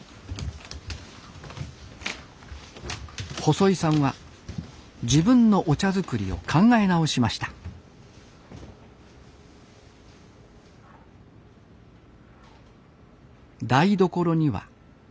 細井さんは自分のお茶作りを考え直しました台所には茶葉専用の冷蔵庫